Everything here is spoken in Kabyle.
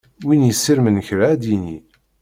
Win yessirmen kra ad d-yini.